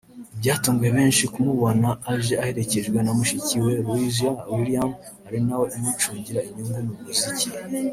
byatunguye benshi kumubona aje aherekejwe na mushiki we Louiza Williams ari na we umucungira inyungu mu muziki